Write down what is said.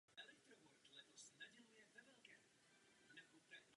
Tyto zásady nesmí být nijak zpochybňovány.